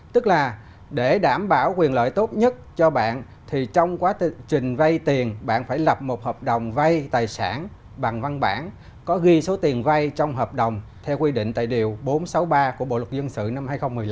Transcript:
tức là để đảm bảo quyền lợi tốt nhất cho bạn thì trong quá trình vay tiền bạn phải lập một hợp đồng vay tài sản bằng văn bản có ghi số tiền vay trong hợp đồng theo quy định tại điều bốn trăm sáu mươi ba của bộ luật dân sự năm hai nghìn một mươi năm